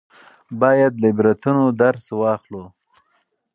باید له عبرتونو درس واخلو.